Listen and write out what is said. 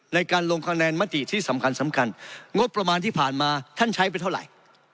ในการลงคะแนนมติที่สำคัญสำคัญงบประมาณที่ผ่านมาท่านใช้ไปเท่าไหร่